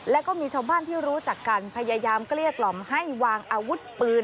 แล้วก็มีชาวบ้านที่รู้จักกันพยายามเกลี้ยกล่อมให้วางอาวุธปืน